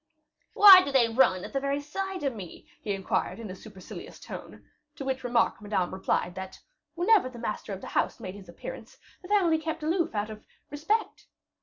"Why do they run away at the very sight of me?" he inquired, in a supercilious tone; to which remark Madame replied, that, "whenever the master of the house made his appearance, the family kept aloof out of respect."